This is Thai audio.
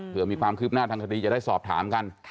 เพื่อมีความคืบหน้าทางคดีจะได้สอบถามกัน